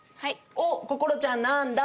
おっこころちゃんなんだ！